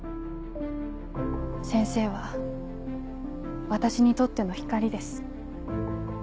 先生は私にとっての光です。